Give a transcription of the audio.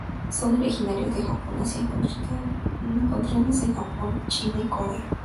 Son originarios del este de Asia encontrándose en Japón, China y Corea.